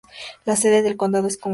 La sede del condado es Conway.